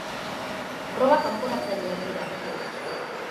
Proba kanporatzaileak dira.